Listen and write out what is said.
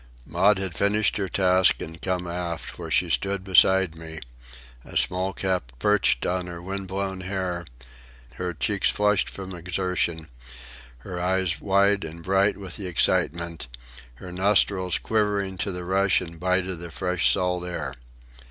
Maud had finished her task and come aft, where she stood beside me, a small cap perched on her wind blown hair, her cheeks flushed from exertion, her eyes wide and bright with the excitement, her nostrils quivering to the rush and bite of the fresh salt air.